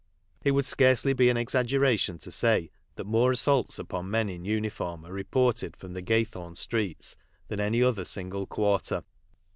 It would scarcely be an exaggeration to say that more n vaults upon men in uniform are reported from the Gct> thorn streets than any other single quarter.